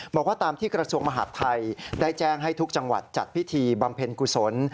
บอกว่าตามที่กระทรวงมหาดไทยได้แจ้งให้ทุกจังหวัดจัดพิธีบำเพ็ญกุศล